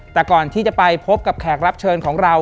แต่ก่อนที่จะไปพบกับแขกรับเชิญของเรา